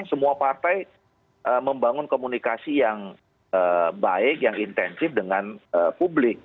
semua partai membangun komunikasi yang baik yang intensif dengan publik